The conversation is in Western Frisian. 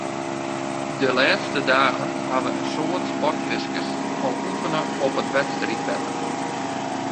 De lêste dagen hawwe in soad sportfiskers al oefene op it wedstriidwetter.